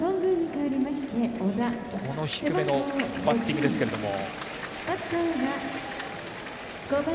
低めのバッティングですけれども。